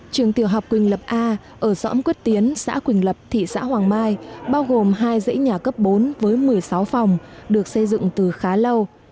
trường tiểu học quỳnh lập a ở xóm quyết tiến xã quỳnh lập thị xã hoàng mai bao gồm hai dãy nhà cấp bốn với một mươi sáu phòng được xây dựng từ khá lâu